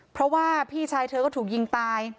เพราะว่าพี่ชายเธอก็ถูกยิงตาย